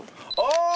ああ！